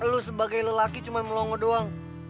lu sebagai lelaki cuma melongo doang